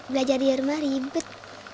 belajar di rumah ribet